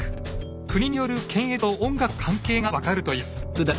国による検閲と音楽の関係が分かるというんです。